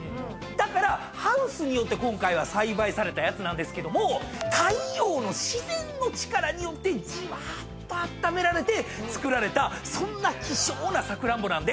だからハウスによって今回は栽培されたやつなんですけども太陽の自然の力によってじわーっとあっためられて作られたそんな希少なサクランボなんで。